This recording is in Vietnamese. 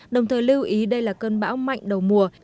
đồng thời lưu ý đây là cơn bão mạnh đầu mùa